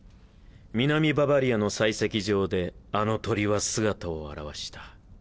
南ババリアの採石場であの鳥は姿を現した。